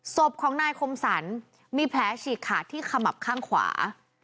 ศพของนายคมสรรมีแผลฉีกขาดที่ขมับข้างขวา